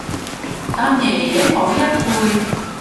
但爺爺嗰一輩